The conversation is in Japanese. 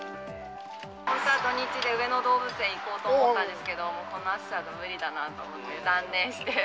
本当は土日で上野動物園に行こうと思ってたんですけど、この暑さで無理だなと思って断念して。